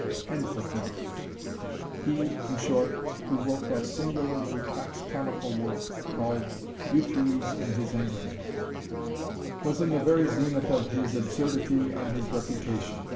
] he, in short, who wrote that singularly coxcomical work, called Euphues and his England, was in the very zenith of his absurdity and his reputation.